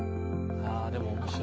あでも面白い。